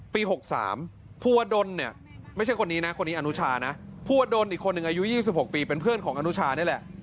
๖๓ภูวดลเนี่ยไม่ใช่คนนี้นะคนนี้อนุชานะภูวดลอีกคนหนึ่งอายุ๒๖ปีเป็นเพื่อนของอนุชานี่แหละ